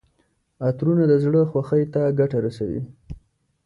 عطرونه د زړه خوښۍ ته ګټه رسوي.